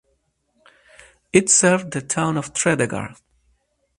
It served the town of Tredegar.